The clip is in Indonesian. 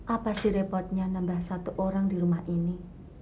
apa sih repotnya nambah satu orang di rumah ini